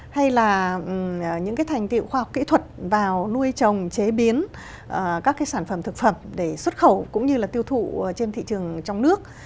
hay là những cái thành tiệu khoa học kỹ thuật vào nuôi trồng chế biến các cái sản phẩm thực phẩm để xuất khẩu cũng như là tiêu thụ trên thị trường trong nước